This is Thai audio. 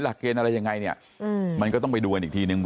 หลักเกณฑ์อะไรยังไงเนี่ยมันก็ต้องไปดูกันอีกทีนึง